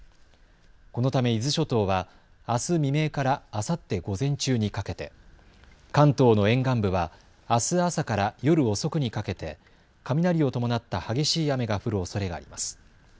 このため伊豆諸島はあす未明からあさって午前中にかけて、関東の沿岸部はあす朝から夜遅くにかけて雷を伴った激しい雨が降るおそれがあります。